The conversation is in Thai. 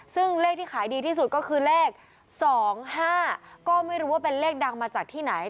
ซึ่งเลขที่ขายดีที่สุดก็คือเลข๒๕ก็ไม่รู้ว่าเป็นเลขดังมาจากที่ไหน